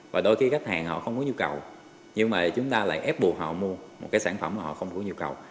và đôi khi khách hàng họ không có nhu cầu nhưng mà chúng ta lại ép buộc họ mua một cái sản phẩm mà họ không có nhu cầu